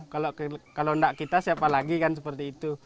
kalau tidak kita siapa lagi kan seperti itu